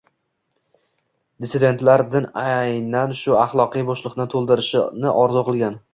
dissidentlar din aynan shu ahloqiy bo’shliqni to’ldirishini orzu qilgan.